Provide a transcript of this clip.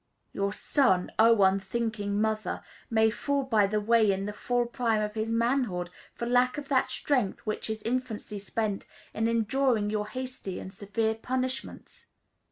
Your son, O unthinking mother! may fall by the way in the full prime of his manhood, for lack of that strength which his infancy spent in enduring your hasty and severe punishments.